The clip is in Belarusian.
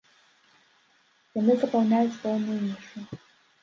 Яны запаўняюць пэўную нішу.